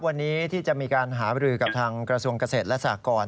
วันนี้ที่จะมีการหาบริโรคกับกระทรวงเกษตรรสากร